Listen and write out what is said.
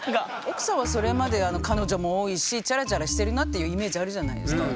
奥さんはそれまで彼女も多いしチャラチャラしてるなっていうイメージあるじゃないですか。